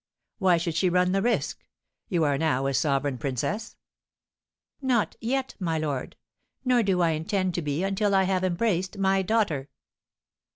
"Why should she run the risk? You are now a sovereign princess!" "Not yet, my lord; nor do I intend to be until I have embraced my daughter!"